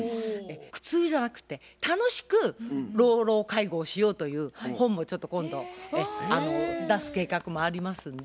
苦痛じゃなくて楽しく老老介護をしようという本もちょっと今度出す計画もありますんで。